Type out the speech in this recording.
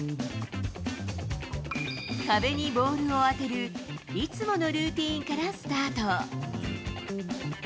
壁にボールを当てるいつものルーティーンからスタート。